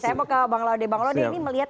saya mau ke bang laude bang laude ini melihat